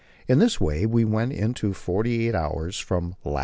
In this way we went in forty eight hours from lat.